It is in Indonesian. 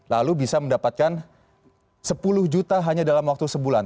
lalu bisa mendapatkan sepuluh juta hanya dalam waktu sebulan